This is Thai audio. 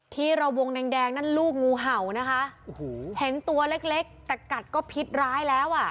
ที่เราวงแดงแดงนั่นลูกงูเห่านะคะโอ้โหเห็นตัวเล็กเล็กแต่กัดก็พิษร้ายแล้วอ่ะ